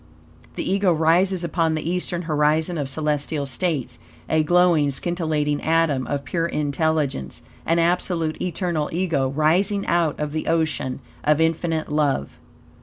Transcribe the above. The Ego rises upon the eastern horizon of celestial states, a glowing, scintillating atom of pure intelligence, an absolute, eternal Ego, rising out of the ocean of Infinite Love.